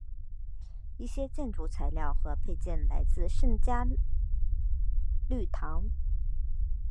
一些建筑材料和配件来自圣嘉禄堂。